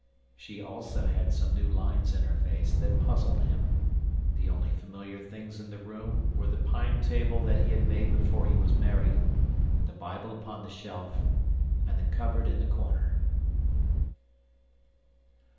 She also had some new lines in her face that puzzled him. The only familiar things in the room were the pine table that he had made before he was married, the Bible upon the shelf, and the cupboard in the corner.